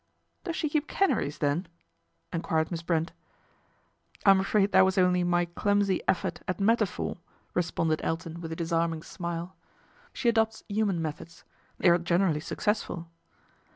" Does she keep canaries then ?" enquired Miss Brent. "I'm afraid that was only my clumsy effort at metaphor," responded Elton with a disarming MISS BRENT'S STRATEGY 135 smile. " She adopts human methods. They are generally successful."